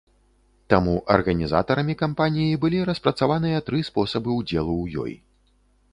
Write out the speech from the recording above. Таму арганізатарамі кампаніі былі распрацаваныя тры спосабы ўдзелу ў ёй.